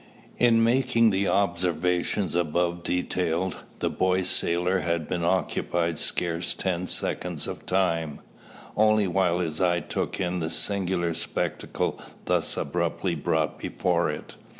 In making the observations above detailed, the boy sailor had been occupied scarce ten seconds of time, only while his eye took in the singular spectacle thus abruptly brought before it.